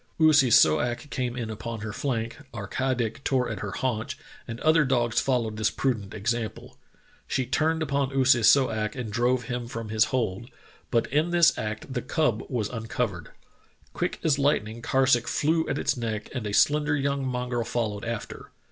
Oo si so ak came in upon her flank, Ar ka dik tore at her haunch, and other dogs followed this prudent example. She turned upon Oo si so ak and drove him from his hold, but in this act the cub was uncovered. Quick as lightning Karsuk flew at its neck and a slender yellow mongrel followed after.